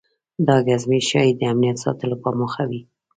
دا ګزمې ښایي د امنیت ساتلو په موخه وي.